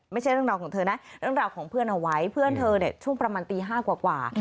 ไม่ใช่เรื่องราวของเธอนะเรื่องราวของเพื่อนเอาไว้เพื่อนเธอเนี่ยช่วงประมาณตี๕กว่า